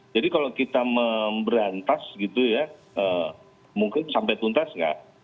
jadi kalau kita memberantas gitu ya mungkin sampai puntas nggak